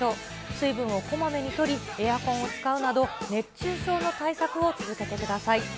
水分をこまめにとり、エアコンを使うなど、熱中症の対策を続けてください。